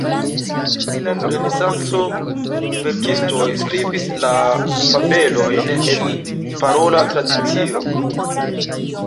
Dum Renesanco, verkistoj skribis la fabelojn el parola tradicio.